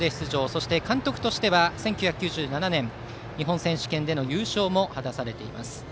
そして監督としては１９９７年日本選手権での優勝も果たされています。